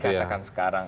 kalau dikatakan sekarang